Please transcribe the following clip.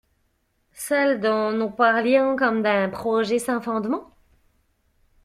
Celles dont nous parlions comme d'un projet sans fondements?